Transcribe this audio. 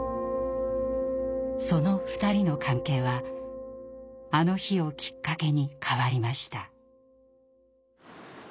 その２人の関係はあの日をきっかけに変わりました。